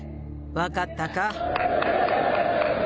分かったか。